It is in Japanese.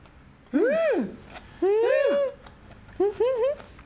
うん！